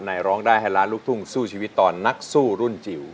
ร้องได้ให้ล้านลูกทุ่งสู้ชีวิตตอนนักสู้รุ่นจิ๋ว